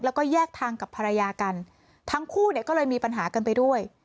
แล้วก็แยกทางกับภรรยากันทั้งคู่เนี่ยก็เลยมีปัญหากันไปด้วย